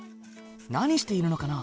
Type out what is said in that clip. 何しているのかな？